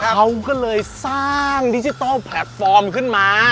เขาก็เลยสร้างดิจิทัลแพลตฟอร์มขึ้นมา